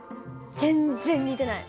全然似てない。